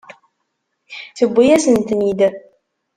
Tewwi-yasen-ten-id.